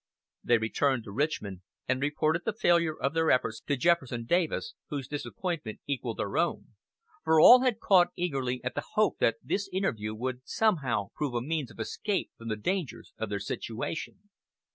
They returned to Richmond and reported the failure of their efforts to Jefferson Davis, whose disappointment equalled their own, for all had caught eagerly at the hope that this interview would somehow prove a means of escape from the dangers of their situation.